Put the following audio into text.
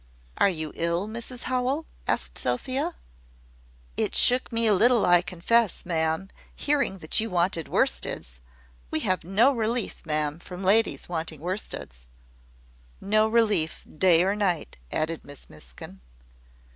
"Are you ill, Mrs Howell?" asked Sophia. "It shook me a little, I confess, ma'am, hearing that you wanted worsteds. We have no relief, ma'am, from ladies wanting worsteds." "No relief, day or night," added Miss Miskin.